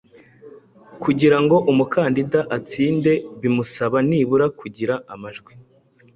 Kugira ngo umukandida atsinde bimusaba nibura kugira amajw